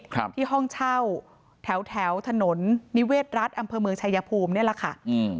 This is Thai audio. ครับที่ห้องเช่าแถวแถวถนนนิเวศรัฐอำเภอเมืองชายภูมินี่แหละค่ะอืม